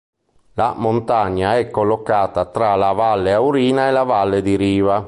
La montagna è collocata tra la Valle Aurina e la Valle di Riva.